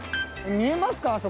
見えますか？